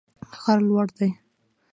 غر لوړ دی